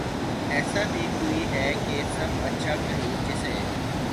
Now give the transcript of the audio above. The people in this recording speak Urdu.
ایسا بھی کوئی ھے کہ سب اچھا کہیں جسے